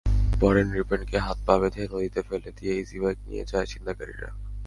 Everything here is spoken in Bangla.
পরে নৃপেনকে হাত-পা বেঁধে নদীতে ফেলে দিয়ে ইজিবাইক নিয়ে যায় ছিনতাইকারীরা।